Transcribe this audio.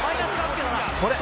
「これ！」